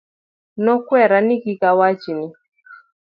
Nokwera ni kik awach ni.